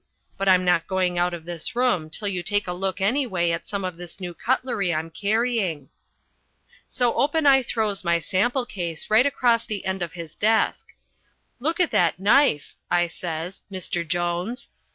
But I'm not going out of this room till you take a look anyway at some of this new cutlery I'm carrying." So open I throws my sample case right across the end of his desk. "Look at that knife," I says, "Mr. Jones.